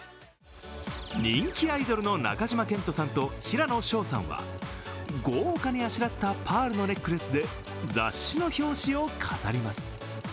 人気アイドルの中島健人さんと平野紫耀さんは豪華にあしらったパールのネックレスで雑誌の表紙を飾ります。